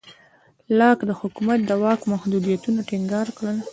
لاک د حکومت د واک محدودیتونه ټینګار کړل.